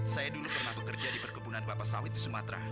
saya dulu pernah bekerja di perkebunan kelapa sawit di sumatera